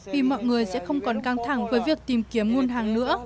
vì mọi người sẽ không còn căng thẳng với việc tìm kiếm nguồn hàng nữa